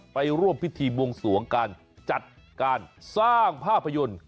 ไปร่วมพิธีบวงสวงการจัดการสร้างภาพยนตร์